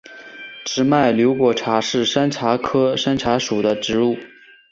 直脉瘤果茶是山茶科山茶属的植物。